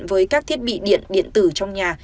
với các thiết bị điện điện tử trong nhà